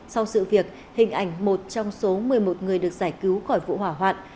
sau sự việc hình ảnh một trong số một mươi một người được giải cứu khỏi vụ hỏa hoạn